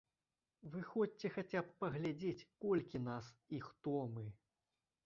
Выходзьце хаця б паглядзець, колькі нас і хто мы!